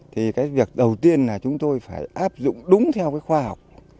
thì cái việc đầu tiên là chúng tôi phải áp dụng đúng theo cái khoa học